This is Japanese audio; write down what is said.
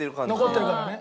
残ってるからね。